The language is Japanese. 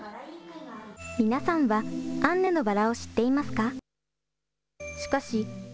皆さんはアンネのバラを知っていますか。